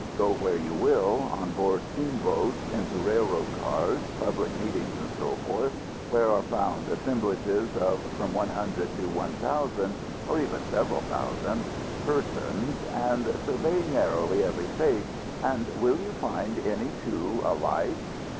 Go where you will, on board steamboats, into railroad cars, public meetings, &c., where are found assemblages of from one hundred to one thousand or even several thousand persons, and survey narrowly every face; and will you find any two alike?